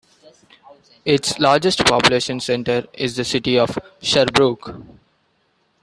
Its largest population centre is the city of Sherbrooke.